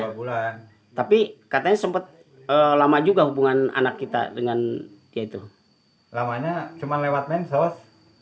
tiga bulan tapi katanya sempet lama juga hubungan anak kita dengan ya itu lawannya cuma lewat mensos